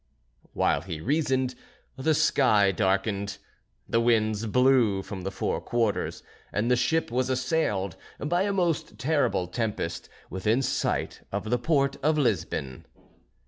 While he reasoned, the sky darkened, the winds blew from the four quarters, and the ship was assailed by a most terrible tempest within sight of the port of Lisbon.